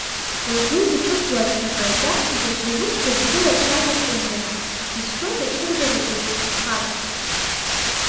Лгәы ирҿыхуазшәа ҟаиҵан, даҽа усқәак дрылацәажәахуан иара, дзыцәшәоз ацәыргараҿ дылԥырхагахарц.